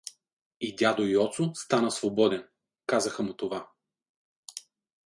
И дядо Йоцо стана свободен — казаха му това.